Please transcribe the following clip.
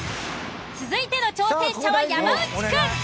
続いての挑戦者は山内くん。